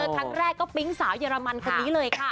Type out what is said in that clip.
ครั้งแรกก็ปิ๊งสาวเยอรมันคนนี้เลยค่ะ